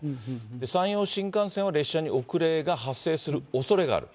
山陽新幹線は列車に遅れが発生するおそれがある。